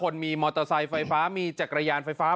คนมีมอเตอร์ไซค์ไฟฟ้ามีจักรยานไฟฟ้า